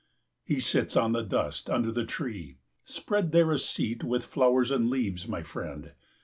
He sits on the dust under the tree. Spread there a seat with flowers and leaves, my friend.